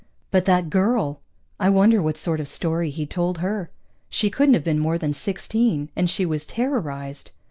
But that girl! I wonder what sort of story he'd told her? She couldn't have been more than sixteen, and she was terrorized.